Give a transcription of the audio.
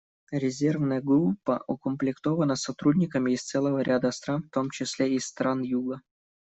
Резервная группа укомплектована сотрудниками из целого ряда стран, в том числе из стран Юга.